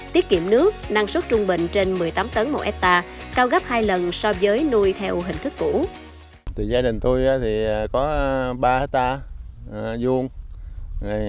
tiết kiệm nước năng suất trung bình trên một mươi tám tấn một hectare